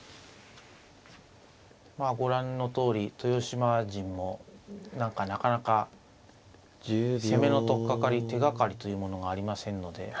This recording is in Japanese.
ご覧のとおり豊島陣もなかなか攻めの取っかかり手がかりというものがありませんので。